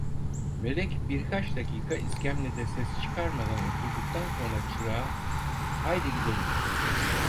Melek birkaç dakika iskemlede ses çıkarmadan oturduktan sonra çırağa: "Haydi gidelim!".